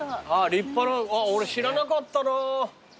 立派な俺知らなかったな。